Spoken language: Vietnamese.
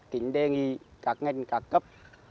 kính đề nghị các ngành các cấp